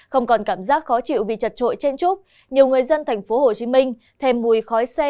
không còn cảm giác khó chịu vì chật trội chen trúc nhiều người dân tp hcm thêm mùi khói xe